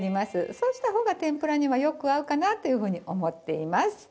そうした方が天ぷらにはよく合うかなっていうふうに思っています。